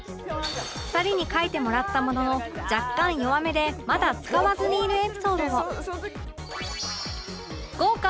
２人に書いてもらったものの若干弱めでまだ使わずにいるエピソードを